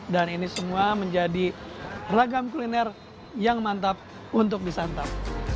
dan ini semua menjadi ragam kuliner yang mantap untuk disantap